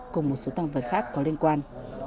cùng một số tăng vật khác có liên quan